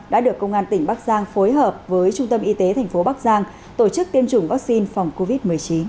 đã được công an tỉnh bắc giang phối hợp với trung tâm y tế tp bắc giang tổ chức tiêm chủng vaccine phòng covid một mươi chín